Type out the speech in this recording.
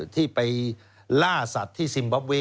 ที่ไปล่าสัตว์ที่ซิมบ๊อบเวย